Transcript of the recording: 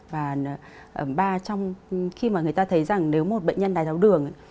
và khi mà người ta thấy rằng nếu một bệnh nhân đài giáo đường